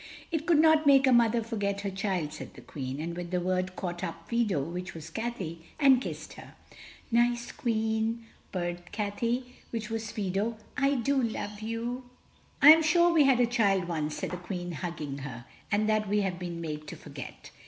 "It could not make a mother forget her child," said the Queen, and with the word caught up Fido which was Cathay and kissed her. "Nice Queen," purred Cathay which was Fido, "I do love you." "I am sure we had a child once," said the Queen, hugging her, "and that we have been made to forget."